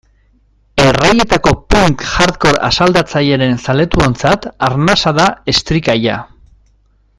Erraietako punk-hardcore asaldatzailearen zaletuontzat arnasa da Estricalla.